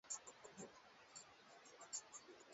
bila kushughulikia matatizo yanayowakera